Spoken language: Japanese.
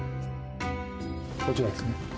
こちらですね。